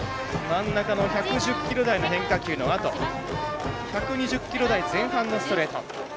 真ん中の１１０キロ台の変化球のあと１２０キロ台前半のストレート。